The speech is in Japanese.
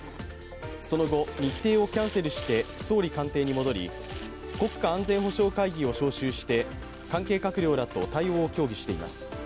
その後、日程をキャンセルして総理官邸に戻り国家安全保障会議を招集して関係閣僚らと対応を協議しています。